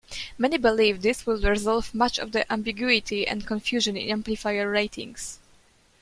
Many believe this will resolve much of the ambiguity and confusion in amplifier ratings.